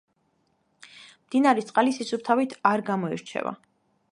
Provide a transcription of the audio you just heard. მდინარის წყალი სისუფთავით არ გამოირჩევა.